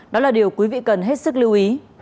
đó là điều quý vị cần hết sức lưu ý